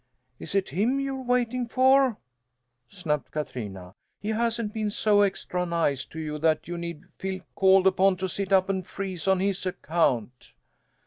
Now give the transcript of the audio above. "Is it him you're waiting for!" snapped Katrina. "He hasn't been so extra nice to you that you need feel called upon to sit up and freeze on his account!"